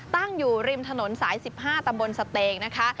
ตั้งอยู่ริมถนนสาย๑๕ตำบลสเตงนะคะ